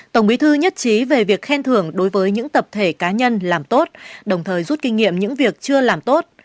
tổng bí thư nhất trí về việc khen thưởng đối với những tập thể cá nhân làm tốt đồng thời rút kinh nghiệm những việc chưa làm tốt